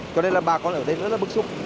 cho nên là bà con ở đây rất là bức xúc